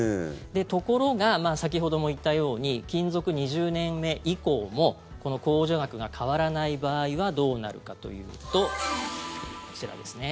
ところが、先ほども言ったように勤続２０年目以降もこの控除額が変わらない場合はどうなるかというとこちらですね。